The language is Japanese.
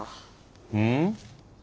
うん？